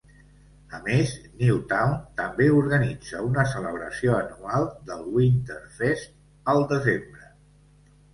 A més, Newtown també organitza una celebració anual del Winterfest el desembre.